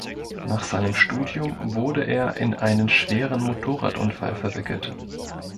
Nach seinem Studium wurde er in einen schweren Motorradunfall verwickelt.